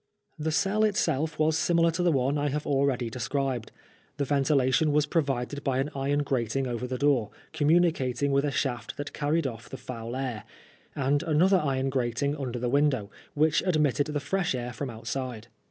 The cell itself was similar to the one I have already described. The ventilation was provided by an iron grating over the door, communicating with a shaft that carried off the foul air ; and another iron grating under the window, which admitted the fresh air from outside.